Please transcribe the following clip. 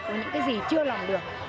và những cái gì chưa làm được